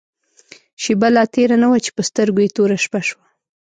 شېبه لا تېره نه وه چې په سترګو يې توره شپه شوه.